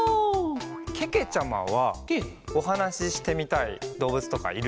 けけちゃまはおはなししてみたいどうぶつとかいる？